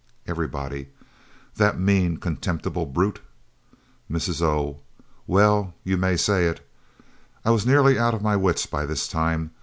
Everybody "The mean, contemptible brute!" Mrs. O "Well you may say it. I was nearly out of my wits by this time.